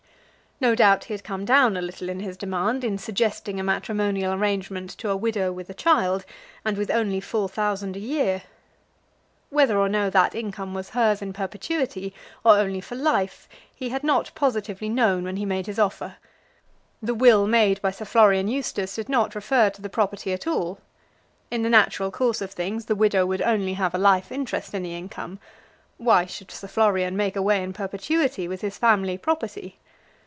No doubt he had come down a little in his demand in suggesting a matrimonial arrangement to a widow with a child, and with only four thousand a year. Whether or no that income was hers in perpetuity, or only for life, he had not positively known when he made his offer. The will made by Sir Florian Eustace did not refer to the property at all. In the natural course of things, the widow would only have a life interest in the income. Why should Sir Florian make away, in perpetuity, with his family property?